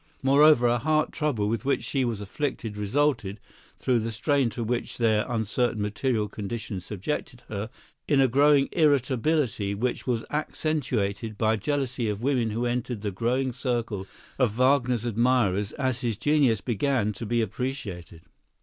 Moreover a heart trouble with which she was afflicted resulted, through the strain to which their uncertain material condition subjected her, in a growing irritability which was accentuated by jealousy of women who entered the growing circle of Wagner's admirers as his genius began to be appreciated.